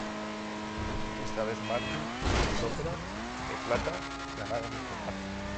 Esta vez, Marvin y Sombra de Plata ganaron el combate.